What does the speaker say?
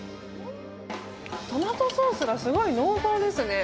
トマトソースがすごい濃厚ですね。